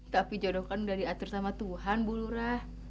tapi jodohkan udah diatur sama tuhan bu lurah